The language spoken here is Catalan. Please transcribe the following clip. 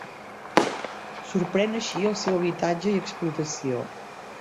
Sorprèn així el seu habitatge i explotació.